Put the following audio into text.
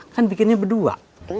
kan bikinnya berdua